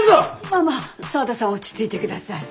まあまあ沢田さん落ち着いて下さい。